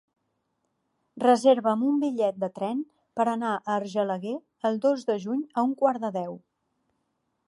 Reserva'm un bitllet de tren per anar a Argelaguer el dos de juny a un quart de deu.